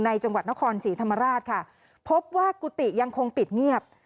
จังหวัดนครศรีธรรมราชค่ะพบว่ากุฏิยังคงปิดเงียบ